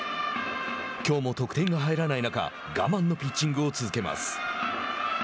きょうも得点が入らない中我慢のピッチングを続けます。